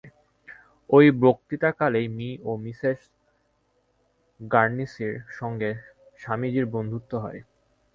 ঐ বক্তৃতাকালেই মি ও মিসেস গার্নসির সঙ্গে স্বামীজীর বন্ধুত্ব হয়।